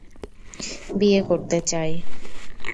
বিয়ে করতে চায়।